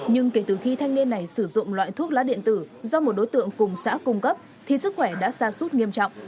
nhưng kể từ khi thanh niên này sử dụng loại thuốc lá điện tử do một đối tượng cùng xã cung cấp thì sức khỏe đã xa suốt nghiêm trọng